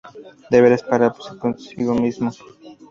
Deberes para consigo mismo.